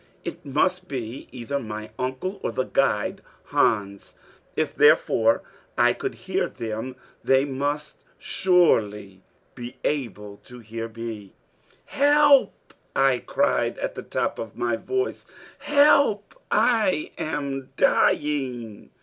It must be either my uncle or the guide Hans! If, therefore, I could hear them, they must surely be able to hear me. "Help," I cried at the top of my voice; "help, I am dying!"